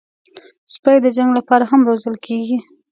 سپي د جنګ لپاره هم روزل کېږي.